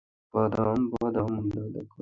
আপনার ক্ষেতটা কোথায়?